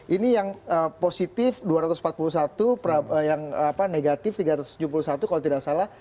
ini yang positif dua ratus empat puluh satu yang negatif tiga ratus tujuh puluh satu kalau tidak salah